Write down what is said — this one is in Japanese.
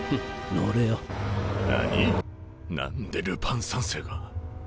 何⁉何でルパン三世が。